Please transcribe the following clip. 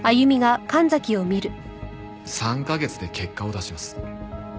３カ月で結果を出します。